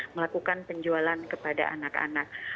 melakukan penjualan kepada anak anak